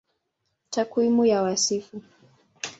Takwimu ya Wasifu